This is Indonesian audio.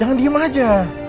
jangan diem aja